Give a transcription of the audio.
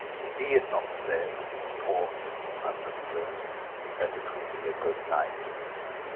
Be it not said, thought, understood Then it will be good night.